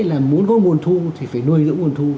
nếu có nguồn thu thì phải nuôi dưỡng nguồn thu